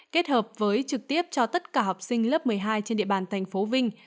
kết hợp với trực tiếp cho tất cả học sinh lớp một mươi hai trên địa bàn tp vinh